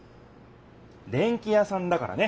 電器屋さんだからね！